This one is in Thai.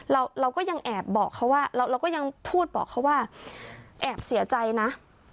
เราเราก็ยังแอบบอกเขาว่าเราก็ยังพูดบอกเขาว่าแอบเสียใจนะ